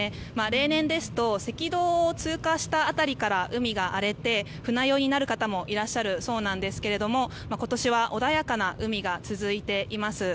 例年ですと赤道を通過した辺りから海が荒れて船酔いになる方もいらっしゃるそうなんですが今年は穏やかな海が続いています。